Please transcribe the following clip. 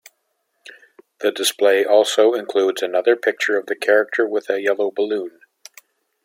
The display also includes another picture of the character with a yellow balloon.